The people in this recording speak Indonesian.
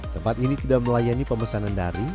tempat ini tidak melayani pemesanan daring